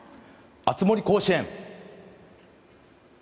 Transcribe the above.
「熱盛甲子園」！